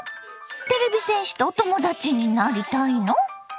てれび戦士とお友達になりたいの？